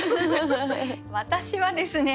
私はですね